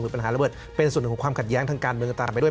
ปัญหาระเบิดเป็นส่วนหนึ่งของความขัดแย้งทางการเมืองตามไปด้วย